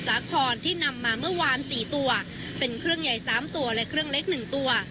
สาครที่นำมาเมื่อวาน๔ตัวเป็นเครื่องใหญ่๓ตัวและเครื่องเล็ก๑ตัว